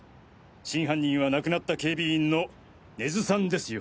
真犯人は亡くなった警備員の根津さんですよ。